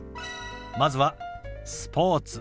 まずは「スポーツ」。